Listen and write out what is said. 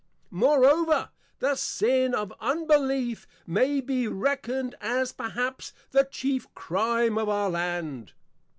Moreover, the Sin of Unbelief may be reckoned as perhaps the chief Crime of our Land.